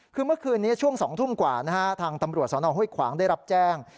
คือเมื่อคืนนี้ช่วง๒ทุ่มกว่านะฮะทางตำรวจสนห้วยขวางได้รับแจ้ง